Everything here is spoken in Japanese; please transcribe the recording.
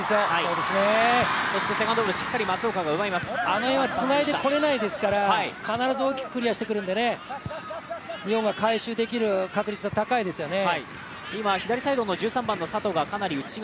あの辺はつないでこれないですから必ず大きくクリアしてくるんで日本が回収できる確率は高いですよね。